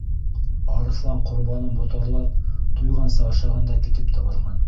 Арыҫлан, ҡорбанын ботарлап, туйғансы ашаған да китеп тә барған.